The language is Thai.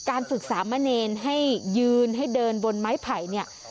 การศึกษาเมนินให้ยืนให้เดินบนไม้ไผ่